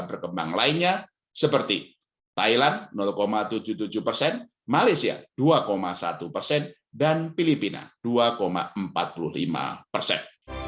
berkembang lainnya seperti thailand tujuh puluh tujuh persen malaysia dua satu persen dan filipina dua empat puluh lima persen